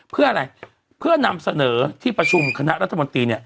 เพื่ออะไรเพื่อนำเสนอที่ประชุมคณะรัฐมนตรีเนี่ย